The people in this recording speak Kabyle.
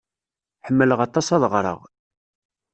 Ḥemmleɣ aṭas ad ɣreɣ.